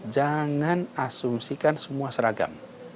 jangan asumsikan semua seragam